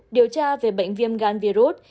điều tra về bệnh viêm gan virus